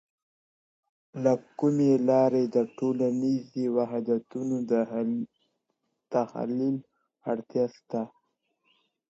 له کومې لاري د ټولنیزو وحدتونو د تحلیل اړتیا سته؟